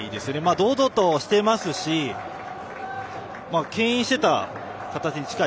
堂々としていますしけん引していた形に近い。